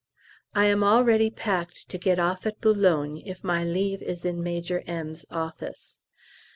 I am all ready packed to get off at B. if my leave is in Major M.'s office.